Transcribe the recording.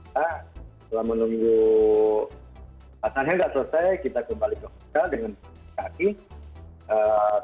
setelah menunggu pasang hendra selesai kita kembali ke hotel dengan berpikir pikir